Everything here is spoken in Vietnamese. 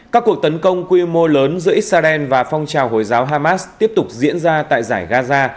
các cuộc tấn công quy mô lớn giữa israel và phong trào hồi giáo hamas tiếp tục diễn ra tại giải gaza